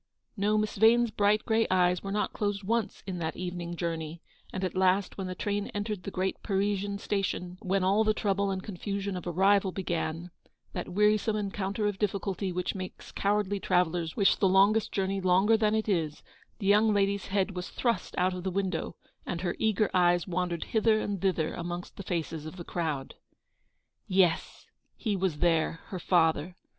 !NTo; Miss Vane's bright grey eyes were not closed once in that evening journey ; and at last, when the train entered the great Parisian station, when all the trouble and confusion of arrival began 14 Eleanor's victory. — that wearisome encounter of difficulty which makes cowardly travellers wish the longest journey longer than it is — the young lady's head was thrust out of the window, and her eager eyes wandered hither and thither amongst the faces of the crowd. Yes, he was there — her father.